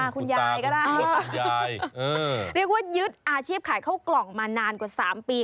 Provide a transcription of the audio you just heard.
คุณตาคุณยายก็ได้เรียกว่ายึดอาชีพขายเข้ากล่องมานานกว่า๓ปี